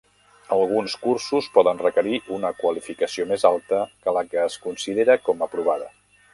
Alguns cursos poden requerir una qualificació més alta que la que es considera com aprovada.